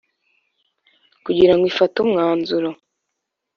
kugirango Ifate umwanzuro